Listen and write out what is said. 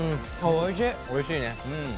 おいしいね。